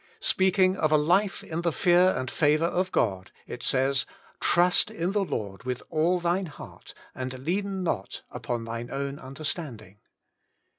Speaking of a life in the fear and favour of God, it says, * Trust in the Lord with all thine heart, and lean not upon thine own understanding.'